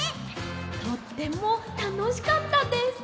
とってもたのしかったです！